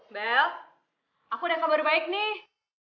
bel aku ada kabar baik nih